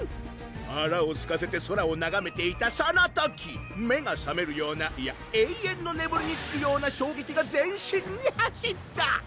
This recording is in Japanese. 腹をすかせて空をながめていたその時目がさめるようないや永遠のねむりにつくような衝撃が全身に走った！